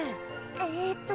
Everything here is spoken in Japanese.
ええっと